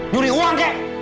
nyuri uang kek